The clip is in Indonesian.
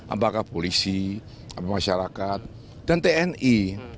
apakah polisi apakah masyarakat dan tni